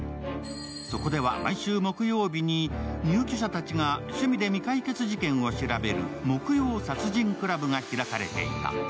そこでは毎週木曜日に入居者たちが趣味で未解決事件を調べる木曜殺人クラブが開かれていた。